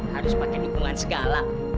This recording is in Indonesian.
harus pakai dukungan segala